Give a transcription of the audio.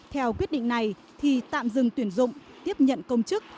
theo quyết định này thì tạm dừng tuyển dụng tiếp nhận công chức